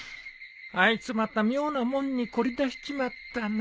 ・あいつまた妙な物に凝りだしちまったな。